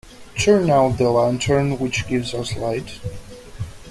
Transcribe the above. Turn out the lantern which gives us light.